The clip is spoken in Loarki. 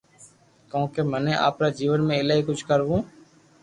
ڪونڪھ مني آپرا جيون ۾ ايلائي ڪجھ ڪروو